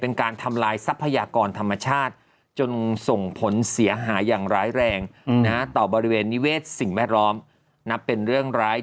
เป็นการทำลายทรัพยากรธรรมชาติจนส่งผลเสียหายอย่างร้ายแรงนะต่อบริเวณนิเวศสิ่งแวดล้อมนับเป็นเรื่องร้าย